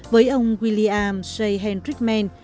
với ông william j henry mann